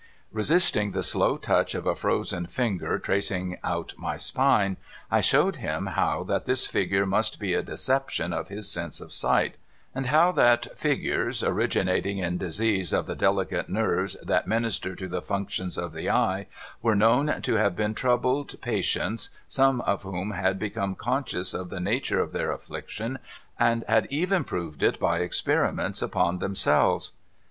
' Resisting the slow touch of a frozen finger tracing out my spine, I showed him how that this figure must be a deception of his sense of sight ; and how that figures, originating in disease of the delicate nerves that minister to the functions of the eye, were known to have often troubled patients, some of whom had become conscious of the nature of their affliction, and had even proved it by experiments upon themselves.